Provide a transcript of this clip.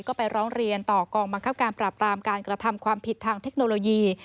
ก็ไปร้องเรียนต่อกองบังคับการปราบรามการกระทำความผิดทางเทคโนโลยี